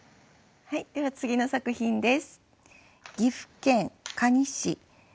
では次の作品です。